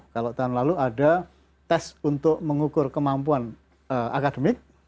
kalau tahun lalu ada tes untuk mengukur kemampuan akademik